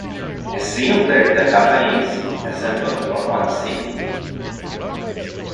Assume that the company is assembled for our seance.